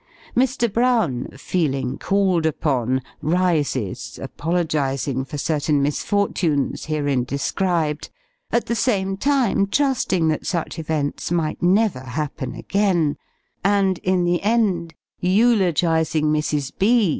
Mr. Brown, "feeling called upon," rises, apologizing for certain misfortunes, herein described at the same time trusting that such events might never happen again; and, in the end, eulogizing Mrs. B.